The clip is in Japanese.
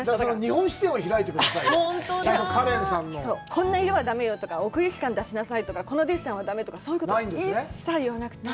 こんな色はダメよとか、奥行き感を出しなさいとか、こういうデッサンにしなさいとか、そういうことを一切言わなくて。